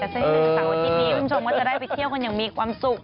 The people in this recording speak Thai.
คุณผู้ชมก็จะได้ไปเที่ยวกันอย่างมีความสุข